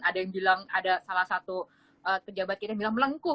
ada yang bilang ada salah satu pejabat kita yang bilang melengkung